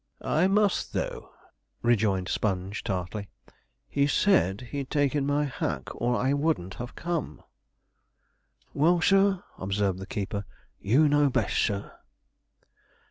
'I must, though,' rejoined Sponge, tartly; 'he said he'd take in my hack, or I wouldn't have come.' 'Well, sir,' observed the keeper, 'you know best, sir.'